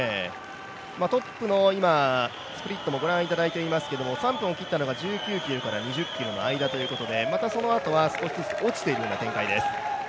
トップのスプリットもご覧いただいてますが、３分を切ったのが１９ｋｍから２０ｋｍの間ということでまたそのあとは、少しずつ落ちているような展開です。